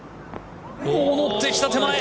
乗ってきた手前！